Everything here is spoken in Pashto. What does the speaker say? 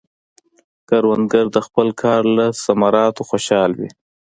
کروندګر د خپل کار له ثمراتو خوشحال وي